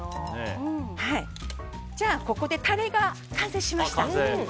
ここでタレが完成しました。